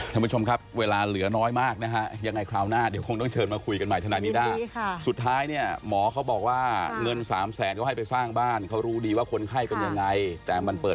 แต่ไหนเปิดเผยอะไรมากว่านี้ไม่ได้